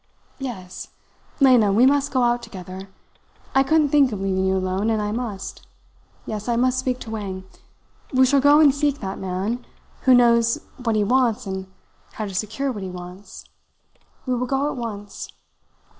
Yes. Lena, we must go out together. I couldn't think of leaving you alone, and I must yes, I must speak to Wang. We shall go and seek that man, who knows what he wants and how to secure what he wants. We will go at once!"